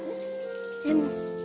でも。